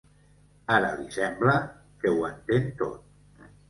Ara li sembla que ho entén tot.